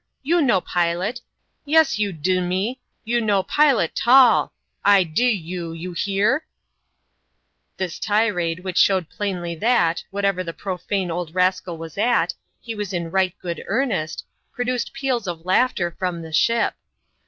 — You no pilot* — Yes, you d me, you no pilot 't all ; I d you ; you hear f " This tirade, which showed plainly that, whatever the puo fanc old rascal was at, he was in right good earnest, produced peals of laughter from the ship.